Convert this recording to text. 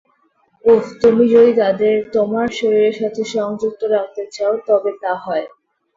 ওহ, তুমি যদি তাদের তোমার শরীরের সাথে সংযুক্ত রাখতে চাও তবে তা হয়।